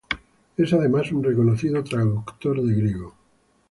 Es, además, un reconocido traductor de griego.